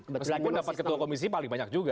meskipun dapat ketua komisi paling banyak juga